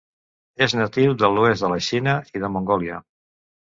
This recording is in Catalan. És natiu de l'oest de la Xina i de Mongòlia.